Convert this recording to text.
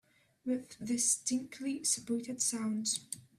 With distinctly separated sounds